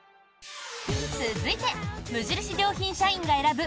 続いて無印良品社員が選ぶ